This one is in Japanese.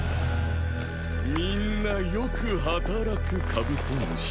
みんなよく働くカブトムシ。